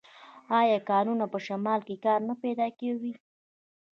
آیا کانونه په شمال کې کار نه پیدا کوي؟